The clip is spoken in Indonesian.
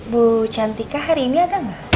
bu cantika hari ini ada nggak